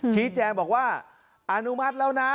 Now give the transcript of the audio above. ชี้แจงบอกว่าอนุมัติแล้วนะ